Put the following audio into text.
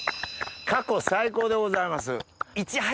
過去最高でございます。